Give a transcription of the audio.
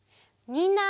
みんな。